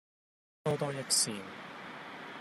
多多益善